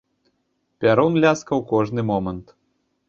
Пярун ляскаў кожны момант.